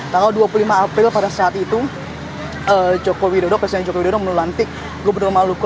tanggal dua puluh lima april pada saat itu presiden jokowi dodo menulantik gubernur maluku